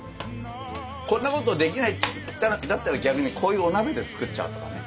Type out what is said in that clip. こんなことできないんだったら逆にこういうお鍋で作っちゃうとかね。